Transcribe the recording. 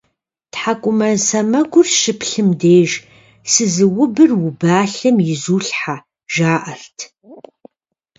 ТхьэкӀумэ сэмэгур щыплъым деж «Сызыубыр убалъэм изулъхьэ», жаӀэрт.